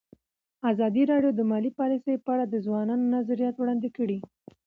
ازادي راډیو د مالي پالیسي په اړه د ځوانانو نظریات وړاندې کړي.